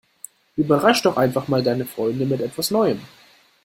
Überrasch' doch einfach mal deine Freunde mit etwas Neuem!